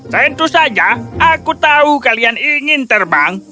tentu saja aku tahu kalian ingin terbang